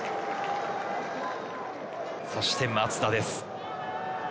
そして、松田です。